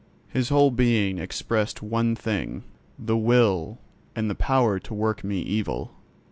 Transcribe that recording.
His whole being expressed one thing: the will, and the power to work me evil.